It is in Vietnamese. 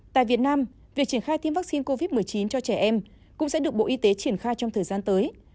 tại việt nam việc triển khai tiêm vaccine covid một mươi chín cho trẻ em cũng sẽ được bộ y tế triển khai trong thời gian tới